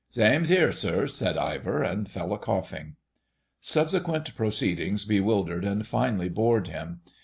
"Same 'ere, sir," said Ivor, and fell a coughing. Subsequent proceedings bewildered and finally bored him.